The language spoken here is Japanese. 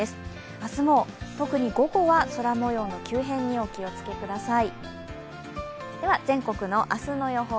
明日も特に午後は空もようの急変にお気をつけください。